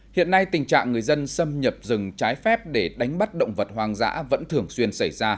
hiện nay tình trạng người dân xâm nhập rừng trái phép để đánh bắt động vật hoang dã vẫn thường xuyên xảy ra